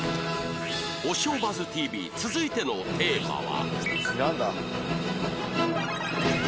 『おしょうバズ ＴＶ』続いてのテーマは